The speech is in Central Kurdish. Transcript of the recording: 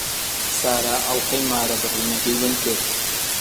سارا ئەڵقەی مارەبڕینەکەی ون کرد.